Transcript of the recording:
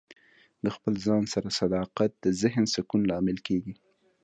د خپل ځان سره صداقت د ذهن سکون لامل کیږي.